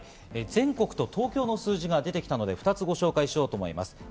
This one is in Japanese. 全国と東京の数字が出てきたので２つ、ご紹介します。